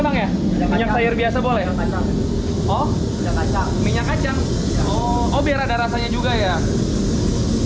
minyak sayur biasa boleh minyak kacang minyak kacang biar ada rasanya juga ya